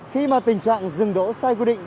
khi mà tình trạng dừng đỗ sai quy định